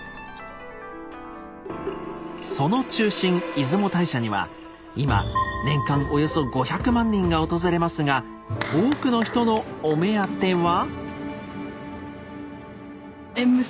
その中心出雲大社には今年間およそ５００万人が訪れますが多くの人のお目当ては。